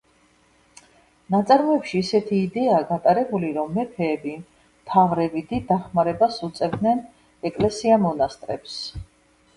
ნაწარმოებში ისეთი იდეაა გატარებული, რომ მეფეები, მთავრები დიდ დახმარებას უწევდნენ ეკლესია-მონასტრებს.